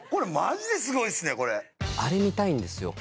あれ見たいんですよ。